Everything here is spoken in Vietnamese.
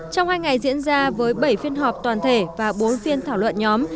trong hai ngày diễn ra với bảy phiên họp toàn thể và bốn phiên thảo luận nhóm